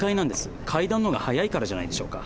階段のほうが早いからじゃないでしょうか。